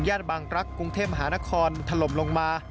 บางรักกรุงเทพมหานครถล่มลงมา